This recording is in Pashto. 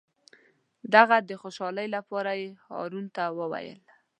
د هغه د خوشحالۍ لپاره یې هارون ته وویل.